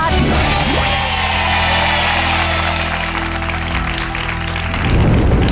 เย้